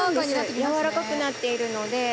柔らかくなっているので。